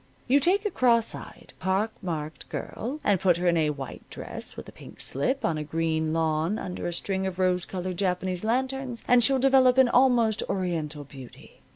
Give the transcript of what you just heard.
You take a cross eyed, pock marked girl and put her in a white dress, with a pink slip, on a green lawn under a string of rose colored Japanese lanterns, and she'll develop an almost Oriental beauty.